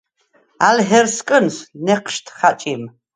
ალ ჰერსკნს ნეჴშდ ხაჭიმ.